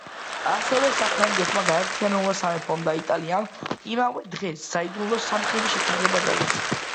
ასევე, საფრანგეთმა, გაერთიანებულმა სამეფომ და იტალიამ იმავე დღეს საიდუმლო „სამმხრივი შეთანხმება“ დადეს.